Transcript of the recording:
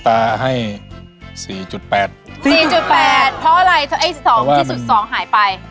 ๔๘เพราะอะไรที่สุด๒หายไป